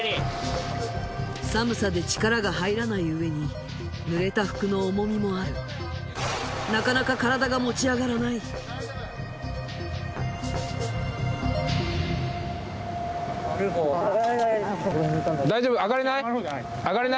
寒さで力が入らない上に濡れた服の重みもあるなかなか体が持ち上がらないあっ